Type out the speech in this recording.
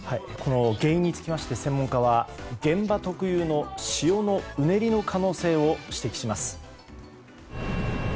原因について専門家は現場特有の潮のうねりの可能性を指摘します。